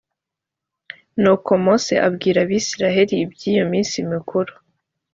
nuko mose abwira abisirayeli iby’iyo minsi mikuru